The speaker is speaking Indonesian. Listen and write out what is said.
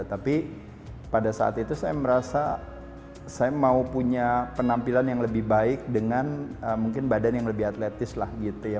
tapi pada saat itu saya merasa saya mau punya penampilan yang lebih baik dengan mungkin badan yang lebih atletis lah gitu ya